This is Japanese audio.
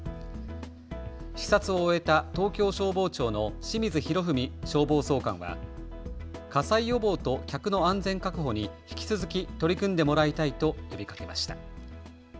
視察を終えた東京消防庁の清水洋文消防総監は火災予防と客の安全確保に引き続き取り組んでもらいたいと呼びかけました。